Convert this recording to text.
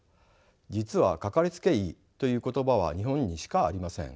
実はかかりつけ医という言葉は日本にしかありません。